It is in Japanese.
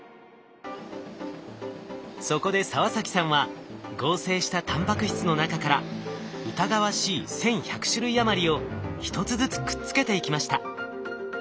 そこで澤崎さんは合成したタンパク質の中から疑わしい１，１００種類余りを一つずつくっつけていきました。